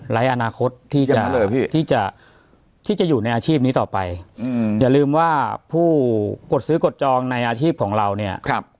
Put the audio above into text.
อนาคตที่จะอยู่ในอาชีพนี้ต่อไปอย่าลืมว่าผู้กดซื้อกดจองในอาชีพของเราเนี่ย